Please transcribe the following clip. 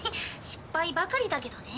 失敗ばかりだけどね。